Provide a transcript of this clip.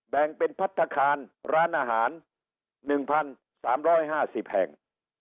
แบ่งเป็นพัฒนาคารร้านอาหารหนึ่งพันสามร้อยห้าสิบแห่ง